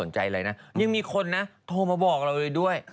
ยังมีคนนะโทรมาบอกเราเลยด้วย